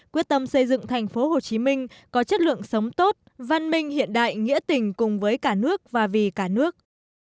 quyết tâm xây dựng tp hcm có chất lượng sống tốt văn minh hiện đại nghĩa tình cùng với cả nước và vì cả nước